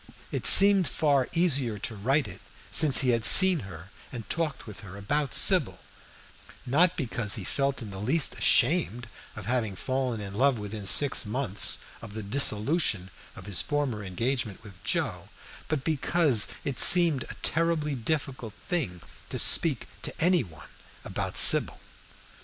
It seemed far easier to write it since he had seen her and talked with her about Sybil, not because he felt in the least ashamed of having fallen in love within six months of the dissolution of his former engagement with Joe, but because it seemed a terribly difficult thing to speak to any one about Sybil.